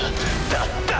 だったら！